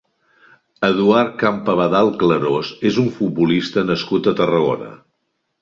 Eduard Campabadal Clarós és un futbolista nascut a Tarragona.